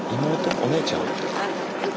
お姉ちゃん？